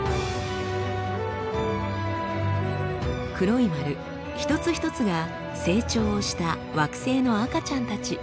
黒い丸一つ一つが成長をした惑星の赤ちゃんたち。